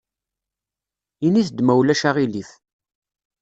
Init-d ma ulac aɣilif.